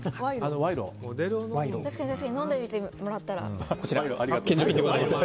飲んでみてもらったら。